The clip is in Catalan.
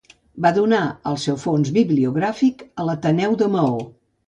Va donar el seu fons bibliogràfic a l'Ateneu de Maó.